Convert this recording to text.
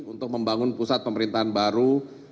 untuk membangun pusat pemerintahan baru